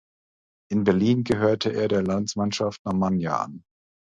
In Berlin gehörte er der Landsmannschaft Normannia an.